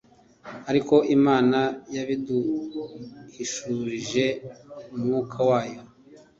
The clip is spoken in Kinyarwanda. Ariko Imana yabiduhishurishije Umwuka wayo